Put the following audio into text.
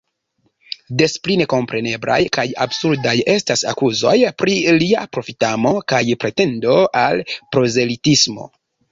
Des pli nekompreneblaj kaj absurdaj estas akuzoj pri lia profitamo kaj pretendo al prozelitismo.